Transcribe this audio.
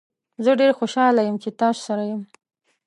زه ډیر خوشحاله یم چې تاسو سره یم.